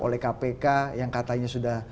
oleh kpk yang katanya sudah